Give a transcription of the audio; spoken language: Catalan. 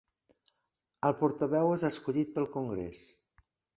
El portaveu és escollit pel congrés.